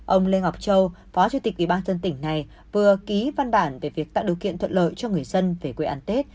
ông lê ngọc châu phó chủ tịch ủy ban dân tỉnh này vừa ký văn bản về việc tạo điều kiện thuận lợi cho người dân về quê ăn tết